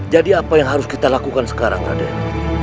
jadi apa yang harus kita lakukan sekarang raden